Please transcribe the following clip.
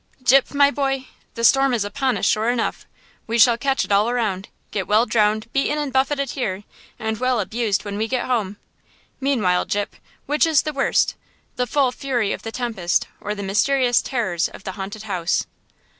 "Gyp, my boy, the storm is upon us sure enough! We shall catch it all around, get well drowned, beaten and buffeted here and well abused when we get home! Meantime, Gyp, which is the worst, the full fury of the tempest or the mysterious terrors of the Haunted House!"